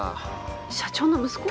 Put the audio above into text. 社長の息子？